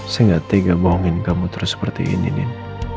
saya gak tega bohongin kamu terus seperti ini din